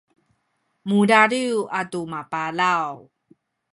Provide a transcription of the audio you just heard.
mudadiw atu mapalaw